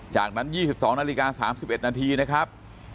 จากนั้น๒๒นาฬิกา๓๑นาทีนะครับ